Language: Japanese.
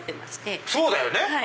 そうだよね。